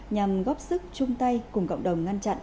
nhằm góp sức chung tay cùng cộng đồng ngăn chặn